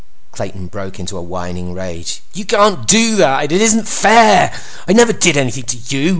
Clayton broke into a whining rage. "You can't do that! It isn't fair! I never did anything to you!